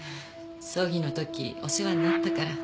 葬儀のときお世話になったから。